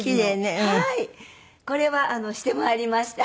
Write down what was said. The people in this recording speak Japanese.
これはしてまいりました。